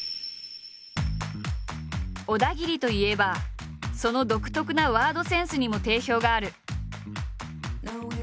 小田切といえばその独特なワードセンスにも定評がある。